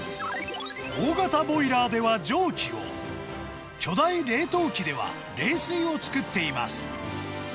大型ボイラーでは蒸気を、巨大冷凍機では冷水を作っています。